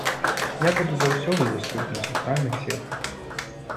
Я буду заўсёды даступны ў сацыяльных сетках.